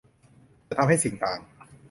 จะทำให้สิ่งต่าง